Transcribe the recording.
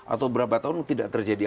atau berapa tahun tidak terjadi